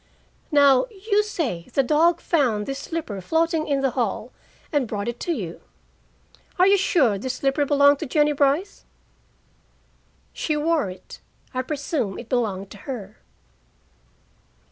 "Now, you say the dog found this slipper floating in the hall and brought it to you. Are you sure this slipper belonged to Jennie Brice?" "She wore it. I presume it belonged to her."